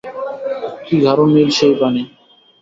কী গাঢ় নীল সেই পানি।